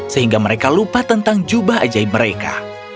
sehingga mereka lupa tentang jubah ajaib mereka